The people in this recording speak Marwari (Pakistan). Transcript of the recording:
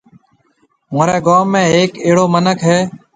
مهوريَ گوم ۾ هيَڪ اهڙو مِنک هيَ۔